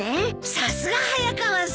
さすが早川さん。